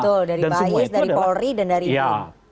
betul dari bais dari polri dan dari bin